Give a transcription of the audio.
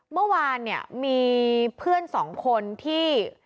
เมื่อวานเนี่ยมีเพื่อนสองคนที่